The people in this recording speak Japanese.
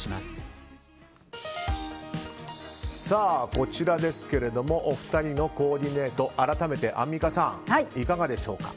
こちらですがお二人のコーディネート改めてアンミカさんいかがでしょうか？